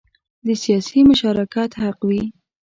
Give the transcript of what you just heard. د سیاسي مشارکت حق وي.